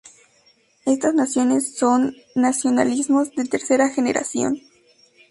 Estas naciones son nacionalismos de tercera generación.